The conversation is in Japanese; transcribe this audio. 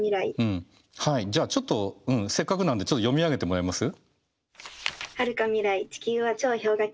はいじゃあちょっとせっかくなんで読み上げてもらえます？